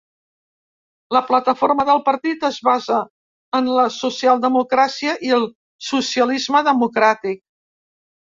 La plataforma del partit es basa en la socialdemocràcia i el socialisme democràtic.